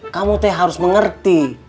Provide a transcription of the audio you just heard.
kamu teh harus mengerti